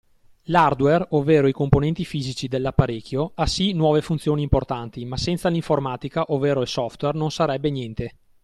L'hardware, ovvero i componenti fisici dell'apparecchio, ha si nuove funzioni importanti ma senza l'informatica ovvero il software non sarebbe niente.